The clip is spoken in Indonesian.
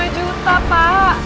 dua puluh juta pak